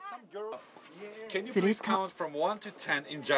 すると。